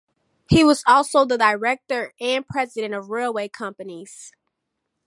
He was also director and president of railway companies.